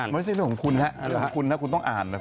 ไม่ใช่เรื่องของคุณครับคุณต้องอ่อน